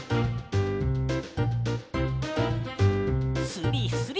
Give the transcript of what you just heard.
スリスリ。